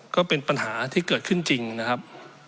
ก็เป็นปัญหาที่เกิดขึ้นจริงนะครับ